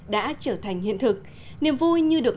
đã trở thành hiện thực niềm vui như được